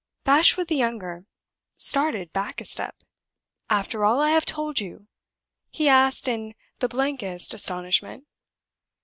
Bashwood the younger started back a step. "After all I have told you?" he asked, in the blankest astonishment.